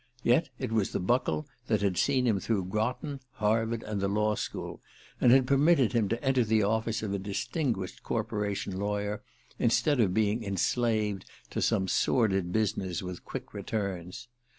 Yet it was the Buckle that had seen him through Groton, Harvard and the Law School, and had permitted him to enter the office of a distinguished corporation lawyer, instead of being enslaved to some sordid business with quick returns.